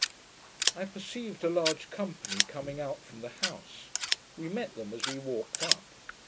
I perceived a large company coming out from the house. We met them as we walked up.